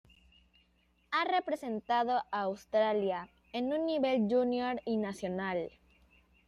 Ha representado a Australia en un nivel junior y nacional.